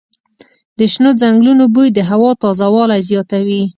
د شنو ځنګلونو بوی د هوا تازه والی زیاتوي.